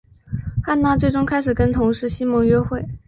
汉娜最终开始跟同事西蒙约会。